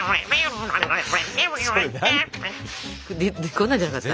こんなんじゃなかった？